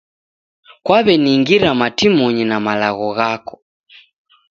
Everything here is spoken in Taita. Kwaweningira matimonyi na malagho ghako